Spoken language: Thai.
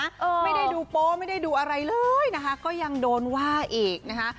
เออไม่ได้ดูโป๊ไม่ได้ดูอะไรเลยนะคะก็ยังโดนว่าอีกนะคะ